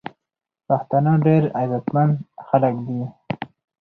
پښتانه ډیر عزت مند خلک دی.